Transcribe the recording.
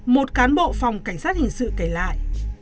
một cán bộ phòng cảnh sát hình sự kể lại